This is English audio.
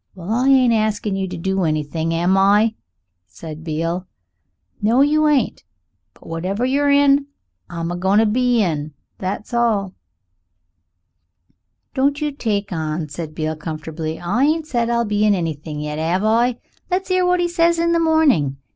"Well, I ain't askin' you to do anything, am I?" said Beale. "No! you ain't. But whatever you're in, I'm a goin' to be in, that's all." "Don't you take on," said Beale comfortably; "I ain't said I'll be in anything yet, 'ave I? Let's 'ear what 'e says in the morning.